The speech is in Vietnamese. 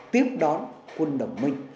tiếp đón quân đội mình